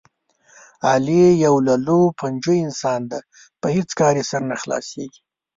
علي یو للوپنجو انسان دی، په هېڅ کار یې سر نه خلاصېږي.